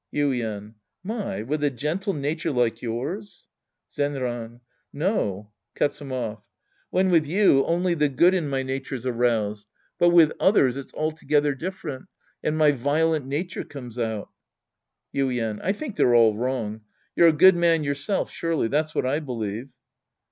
Yuien. My, with a gentle nature like yours — Zenran. No. {Cuts him off.) When with you, only the good in my nature's aroused. But with others, it's altogether different, and my violent nature comes out. Yuien. I think they're all wrong. You're a good man yourself, surely. That's what I believe.